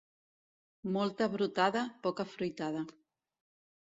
Molta brotada, poca fruitada.